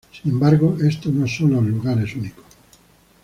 Sin embargo, estos no son los lugares únicos.